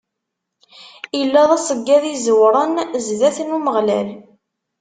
Illa d aṣeggad iẓewren zdat n Umeɣlal.